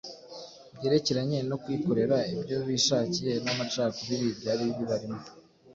byerekeranye no kwikorera ibyo bishakiye n’amacakubiri byari bibarimo?